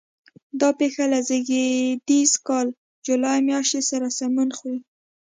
دا پېښه له زېږدیز کال جولای میاشتې سره سمون خوري.